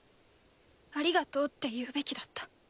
ありがとうって言うべきだった。